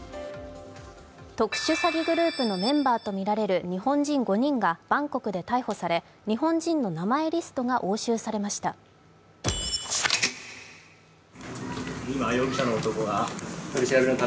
特殊詐欺グループのメンバーとみられる日本人５人がバンコクで逮捕され、日本人の名前リストが押収されました。